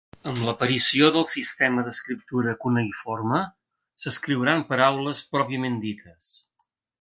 Amb l'aparició del sistema d'escriptura cuneïforme, s'escriuran paraules pròpiament dites.